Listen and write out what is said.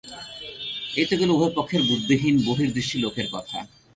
এই তো গেল উভয় পক্ষের বুদ্ধিহীন বহির্দৃষ্টি লোকের কথা।